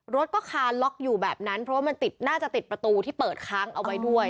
รถก็คาล็อกอยู่แบบนั้นเพราะว่ามันติดน่าจะติดประตูที่เปิดค้างเอาไว้ด้วย